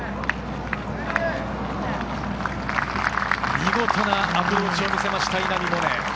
見事なアプローチを見せました稲見萌寧。